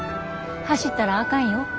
走ったらあかんよ。